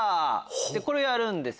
これをやるんですよ。